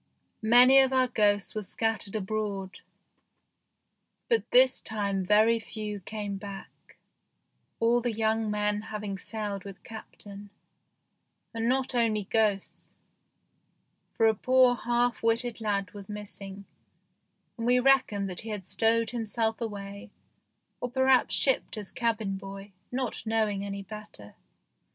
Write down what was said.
Many of our ghosts were scat tered abroad, but this time very few came back, all the young men having sailed with Captain ; and not only ghosts, for a poor half witted lad was missing, and we reckoned that he had stowed himself away or perhaps shipped as cabin boy, not knowing any better.